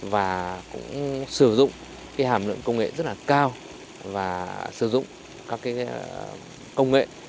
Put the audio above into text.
và cũng sử dụng hàm lượng công nghệ rất là cao và sử dụng các công nghệ